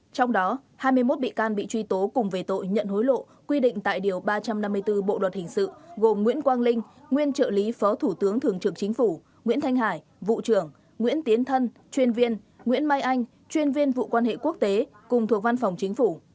trong đó hai mươi một bị can bị truy tố cùng về tội nhận hối lộ quy định tại điều ba trăm năm mươi bốn bộ luật hình sự gồm nguyễn quang linh nguyên trợ lý phó thủ tướng thường trực chính phủ nguyễn thanh hải vụ trưởng nguyễn tiến thân chuyên viên nguyễn mai anh chuyên viên vụ quan hệ quốc tế cùng thuộc văn phòng chính phủ